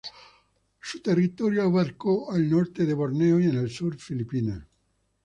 Su territorio abarcó el norte de Borneo y en el sur Filipinas.